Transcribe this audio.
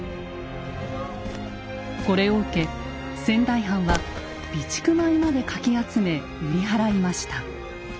これを受け仙台藩は備蓄米までかき集め売り払いました。